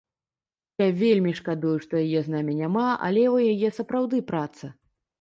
Я вельмі шкадую, што яе з намі няма, але ў яе сапраўды праца.